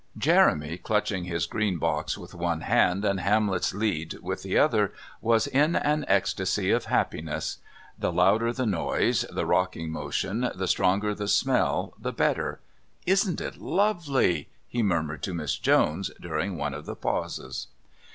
Jeremy, clutching his green box with one hand and Hamlet's lead with the other, was in an ecstasy of happiness. The louder the noise, the rocking motion, the stronger the smell, the better. "Isn't it lovely?" he murmured to Miss Jones during one of the pauses.